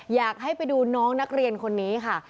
อยากให้ไปดูน้องนักเรียนคนนี้ค่ะ